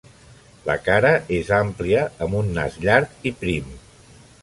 La cara és àmplia amb un nas llarg i prim.